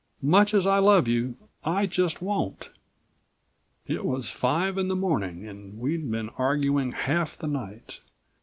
Much as I love you, I just won't." It was five in the morning, and we'd been arguing half the night.